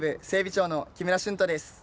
長の木村春人です。